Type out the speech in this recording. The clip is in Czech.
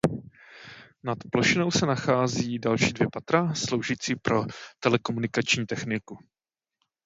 Nad plošinou se nacházejí další dvě patra sloužící pro telekomunikační techniku.